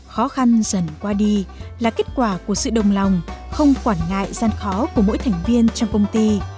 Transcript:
khó khăn dần qua đi là kết quả của sự đồng lòng không quản ngại gian khó của mỗi thành viên trong công ty